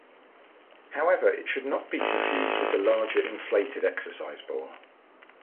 However, it should not be confused with the larger, inflated exercise ball.